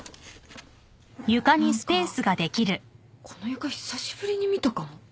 何かこの床久しぶりに見たかも。